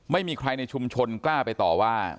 ไม่มีใครในชุมชนกล้าไปต่อว่า